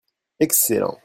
Excellent